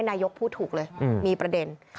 นายกพูดถูกเลยมีประเด็น